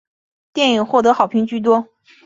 电影获得好评居多。